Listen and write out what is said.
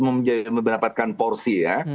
mendapatkan porsi ya